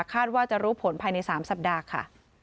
คาดว่าจะรู้ผลภายใน๓สัปดาห์ค่ะ